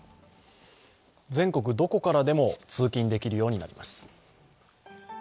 全国どこからでも通勤できるようになります。